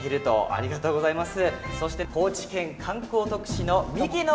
ありがとうございます。